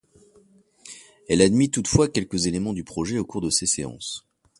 Elle admit toutefois quelques éléments du projet au cours de ses séances.